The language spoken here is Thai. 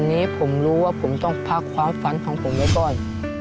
อันนี้ผมรู้ว่าผมต้องพักความฝันของผมไว้ก่อน